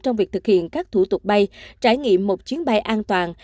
trong việc thực hiện các thủ tục bay trải nghiệm một chuyến bay an toàn